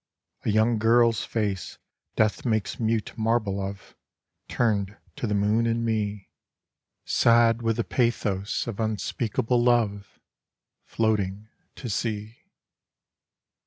A young girl's face, death makes mute marble of, Turned to the moon and me, Sad with the pathos of unspeakable love, Floating to sea.